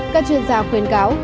các chuyên gia khuyến cáo